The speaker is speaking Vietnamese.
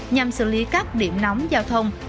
nhằm xử lý các điểm nóng giao thông